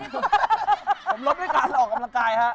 เดินบนร่วมแล้วกลับออกกำลังกายฮะ